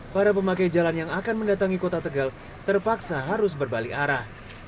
para pemakai jalan yang akan mendatangi kota tegal terpaksa harus berbalik arah